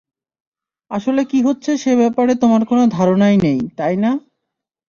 আসলে কী হচ্ছে সে ব্যাপারে তোমার কোনো ধারণাই নেই, তাই না?